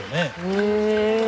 へえ。